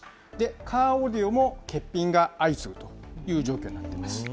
カーオーディオも欠品が相次ぐという状況になってます。